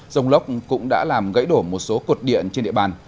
rông lốc cũng đã làm gãy đổ một số cột điện trên địa bàn